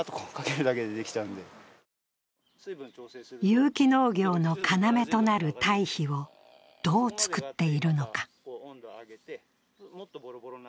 有機農業の要となる堆肥を、どう作っているのか。